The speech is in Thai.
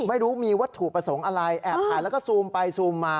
ไม่รู้มีวัตถุประสงค์อะไรแอบถ่ายแล้วก็ซูมไปซูมมา